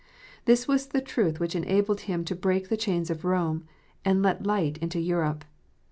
This was the truth which enabled him to break the chains of Rome, and let light into Europe.